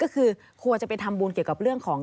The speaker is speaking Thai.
ก็คือควรจะไปทำบุญเกี่ยวกับเรื่องของ